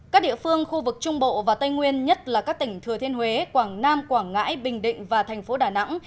các địa phương khu vực trung bộ và tây nguyên nhất là các tỉnh thừa thiên huế quảng nam quảng ngãi bình định và thành phố đà nẵng